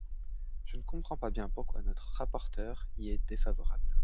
Je ne comprends pas bien pourquoi notre rapporteure y est défavorable.